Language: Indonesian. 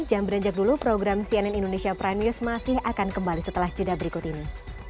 jangan beranjak dulu program cnn indonesia prime news masih akan kembali setelah jeda berikut ini